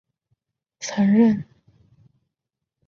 曾任山东考官。